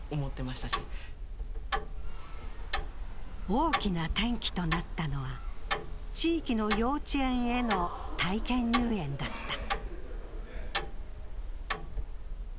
大きな転機となったのは、地域の幼稚園への体験入園だった。